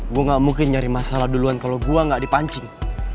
gue gak mungkin nyari masalah duluan kalau gue gak dipancing